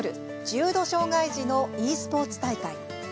重度障害児のｅスポーツ大会」。